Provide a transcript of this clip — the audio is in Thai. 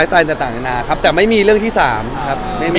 ไลฟ์ตายต่างกันนะครับแต่ไม่มีเรื่องที่สามครับ